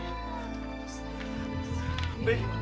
kita bawa ke rumah sakit sekarang dulu